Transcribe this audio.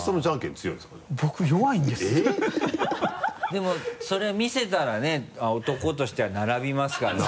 でもそれ見せたらね男としては並びますからね。